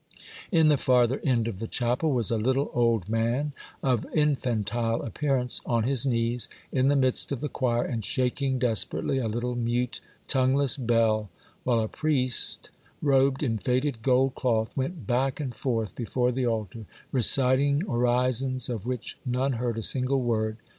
In the farther end of the chapel was a little old man, of infantile appearance, on his knees in the midst of the choir and shaking desperately a little mute, tongueless bell, while a priest, robed in faded gold cloth, went back and forth before the altar, reciting orisons of which none heard a single word.